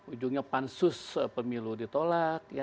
ujungnya pansus pemilu ditolak